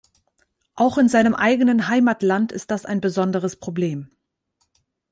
Auch in seinem eigenen Heimatland ist das ein besonderes Problem.